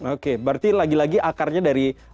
oke berarti lagi lagi akarnya dari